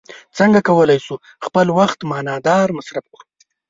څنګه کولی شو خپل وخت معنا داره مصرف کړو.